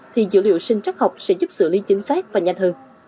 thì dữ liệu sinh trắc học sẽ giúp xử lý chính xác và nhanh hơn